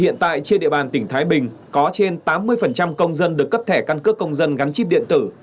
hiện tại trên địa bàn tỉnh thái bình có trên tám mươi công dân được cấp thẻ căn cước công dân gắn chip điện tử